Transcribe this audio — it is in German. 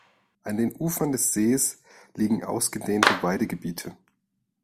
An den Ufern des Sees liegen ausgedehnte Weidegebiete.